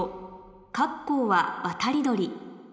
「カッコウは渡り鳥」